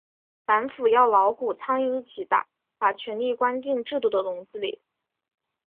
反腐要老虎、苍蝇一起打，把权力关进制度的笼子里。